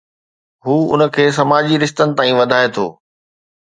هو ان کي سماجي رشتن تائين وڌائي ٿو.